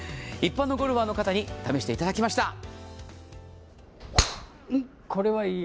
一般のゴルファーの方に試して頂きました。